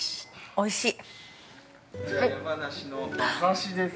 ◆おいしい？